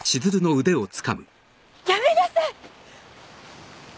やめなさい！